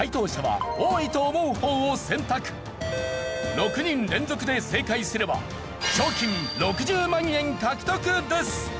６人連続で正解すれば賞金６０万円獲得です！